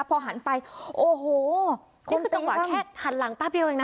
พอหันไปโอ้โหนี่คือจนกว่าแค่หันหลังแป๊บเดียวอย่างนั้น